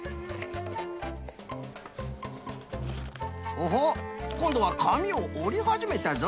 オホッこんどはかみをおりはじめたぞい。